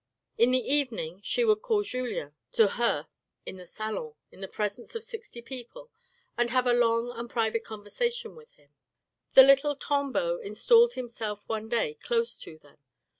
In the evening she would call Julien to her in the salon in the presence of sixty people, and have a long and private conversation with him. The little Tanbeau installed himself one day close to them.